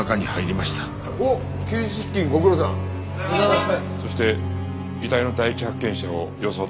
そして遺体の第一発見者を装ったわけか。